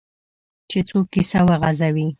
چې څوک کیسه وغځوي.